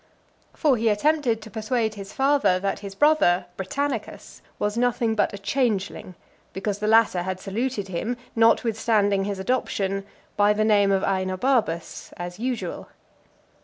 For he attempted to persuade his father that his brother, Britannicus, was nothing but a changeling, because the latter had (342) saluted him, notwithstanding his adoption, by the name of Aenobarbus, as usual.